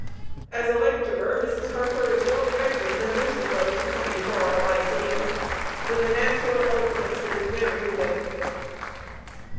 As a lecturer Mrs. Harper is more effective than most of those who come before our lyceums; with a natural eloquence that is very moving."